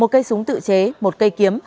một cây súng tự chế một cây kiếm